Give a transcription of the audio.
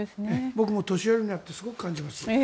僕も年寄りになってすごく感じます。